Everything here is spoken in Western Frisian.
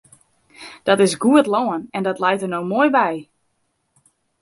Dat is goed lân en dat leit der no moai by.